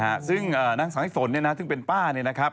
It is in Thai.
ใช่ซึ่งนางศัลย์ศนซึ่งเป็นป้านี่นะครับ